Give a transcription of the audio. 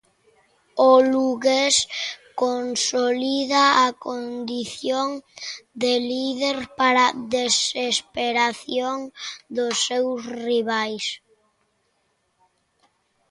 O lugués consolida a condición de líder para desesperación dos seus rivais.